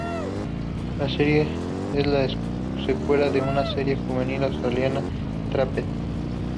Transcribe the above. La serie es la secuela de la serie juvenil australiana Trapped.